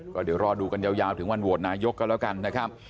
ก็เดี๋ยวรอดูกันยาวถึงวันโหวตนายกกันแล้วกันนะครับ